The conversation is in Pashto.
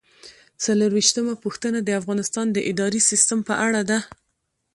څلرویشتمه پوښتنه د افغانستان د اداري سیسټم په اړه ده.